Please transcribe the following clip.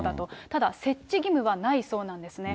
ただ、設置義務はないそうなんですね。